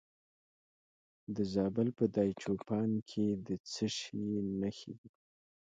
د زابل په دایچوپان کې د څه شي نښې دي؟